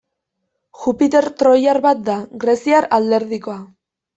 Jupiter troiar bat da, greziar alderdikoa.